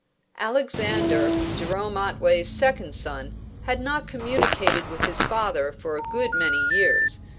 Alexander, Jerome Otway's second son, had not communicated with his father for a good many years.